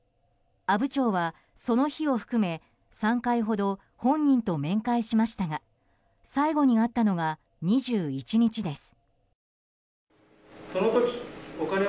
阿武町はその日を含め３回ほど本人と面会しましたが最後に会ったのは２１日です。